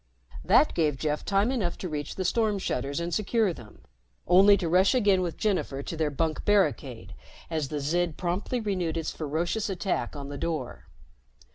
That gave Jeff time enough to reach the storm shutters and secure them only to rush again with Jennifer to their bunk barricade as the Zid promptly renewed its ferocious attack on the door.